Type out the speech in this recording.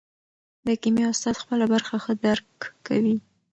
د کیمیا استاد خپله برخه ښه درک کوي.